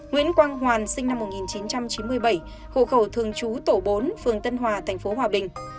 nguyễn quang hoàn sinh năm một nghìn chín trăm chín mươi bảy hộ khẩu thường chú tổ bốn phường tân hòa thành phố hòa bình